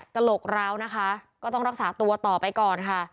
กระโหลกร้าวนะคะก็ต้องรักษาตัวต่อไปก่อนค่ะ